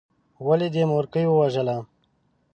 ولې دې مورکۍ ووژله.